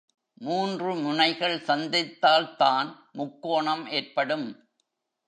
மூன்று முனைகள் சந்தித்தால்தான் முக்கோணம் ஏற்படும்.